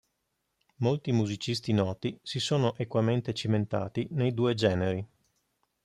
Molti musicisti noti si sono equamente cimentati nei due generi.